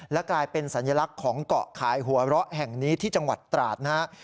และกลายเป็นสัญลักษณ์ของเกาะขายหัวเราะแห่งนี้ที่จังหวัดตราดนะฮะ